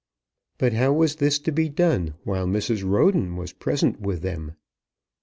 But how was this to be done while Mrs. Roden was present with them?